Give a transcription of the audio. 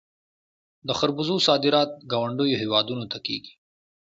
د خربوزو صادرات ګاونډیو هیوادونو ته کیږي.